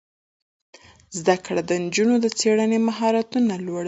زده کړه د نجونو د څیړنې مهارتونه لوړوي.